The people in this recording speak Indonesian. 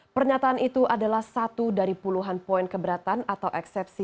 pernyataan itu adalah satu dari puluhan poin keberatan atau eksepsi